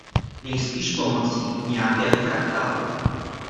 Nejspíše pomocí nějakého fraktálu.